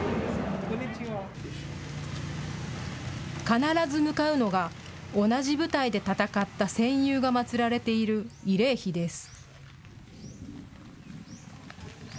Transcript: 必ず向かうのが、同じ部隊で戦った戦友が祭られている慰霊碑です。